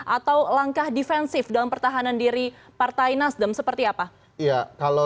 atau langkah defensif dalam pertahanan diri partai nasdem seperti apa